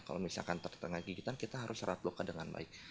kalau misalkan tertengah gigitan kita harus serat luka dengan baik